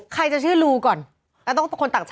ใครจะเชื่อลูก่อน